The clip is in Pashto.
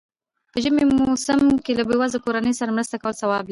په ژمی موسم کی له بېوزلو کورنيو سره مرسته کول ثواب لري.